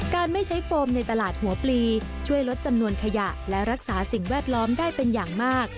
ไม่ใช้โฟมในตลาดหัวปลีช่วยลดจำนวนขยะและรักษาสิ่งแวดล้อมได้เป็นอย่างมาก